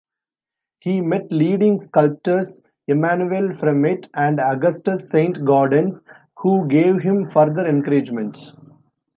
He met leading sculptors Emmanuel Fremiet and Augustus Saint-Gaudens, who gave him further encouragement.